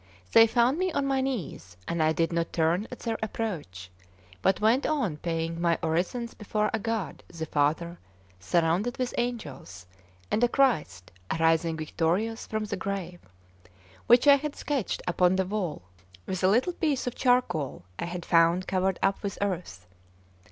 They found me on my knees; and I did not turn at their approach, but went on paying my orisons before a God the Father, surrounded with angels, and a Christ arising victorious from the grave, which I had sketched upon the wall with a little piece of charcoal I had found covered up with earth.